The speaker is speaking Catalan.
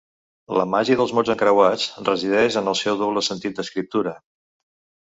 La màgia dels mots encreuats resideix en el seu doble sentit d'escriptura.